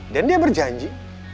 dan dia berjanji